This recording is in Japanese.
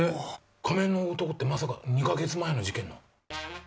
仮面の男ってまさか、２か月前の事件の。